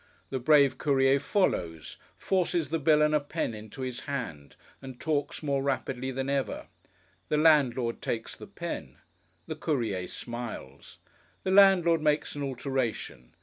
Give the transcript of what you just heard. The brave Courier follows, forces the bill and a pen into his hand, and talks more rapidly than ever. The landlord takes the pen. The Courier smiles. The landlord makes an alteration.